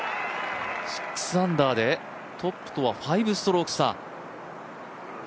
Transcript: ６アンダーでトップとは５ストローク差。